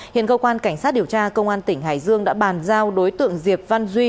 hiện cơ quan cảnh sát điều tra công an tỉnh hải dương đã bàn giao đối tượng diệp văn duy